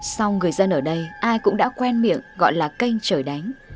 sau người dân ở đây ai cũng đã quen miệng gọi là kênh trời đánh